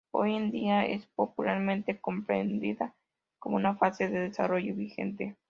Hoy en día es popularmente comprendida como una fase de desarrollo vigente.